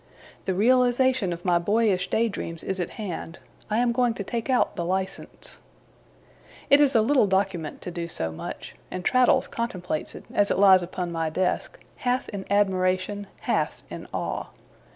The realization of my boyish day dreams is at hand. I am going to take out the licence. It is a little document to do so much; and Traddles contemplates it, as it lies upon my desk, half in admiration, half in awe.